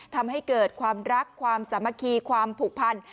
ทำให้เกิดความรักความสามัคคีความผูกพัน